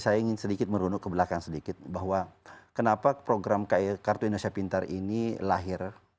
saya ingin sedikit merunuk ke belakang sedikit bahwa kenapa program kartu indonesia pintar ini lahir